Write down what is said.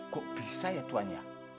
kok bisa ya tuan ya